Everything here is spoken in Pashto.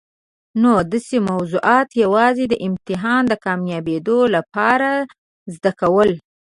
نو داسي موضوعات یوازي د امتحان کامیابېدو لپاره زده کول.